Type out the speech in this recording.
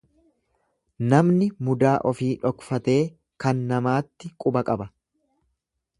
Namni mudaa ofii dhokfatee kan namaatti quba qaba.